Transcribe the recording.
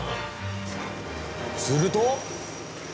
すると！